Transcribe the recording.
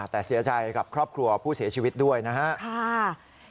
แต่เสียใจกับครอบครัวผู้เสียชีวิตด้วยนะครับ